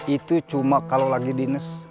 itu cuma kalau lagi diness